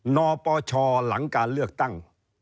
นปชหลังการเลือกตั้ง